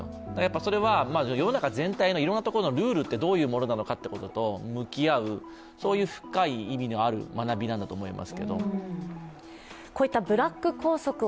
それは世の中全体のいろんなところのルールはどうなのかということと向き合う、そういう深い意味のある学びなんだと思います。